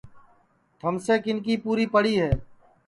تھمیسے کِن کی پُوری ہے